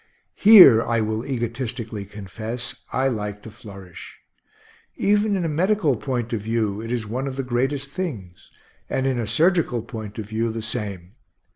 Here, I will egotistically confess, I like to flourish. Even in a medical point of view it is one of the greatest things; and in a surgical point of view, the same.